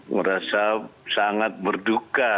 merasa sangat berduka